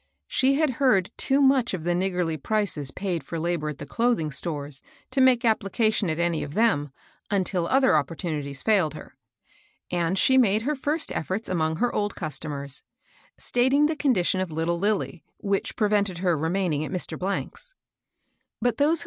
She had heard too much of the niggardly prices paid for labor at the cloth ing stores to Hiake application at any of them until other opportunities failed her, and she made her first efforts among her old customers, stating 8a MABEL ROSS. the condition of little Lilly, which prevented her remaining at Mr. ^'s. But those who.